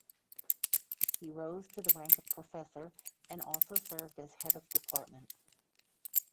He rose to the rank of professor and also served as head of department.